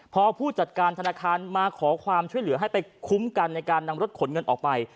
พอผู้จัดการธนาคารมาขอความช่วยเหลือให้ไปคุ้มกันในการนำรถขนเงินออกไป